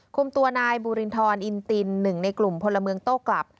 คุมตัวนายบูรินทรอินตินหนึ่งในกลุ่มพลเมืองโต้กลับ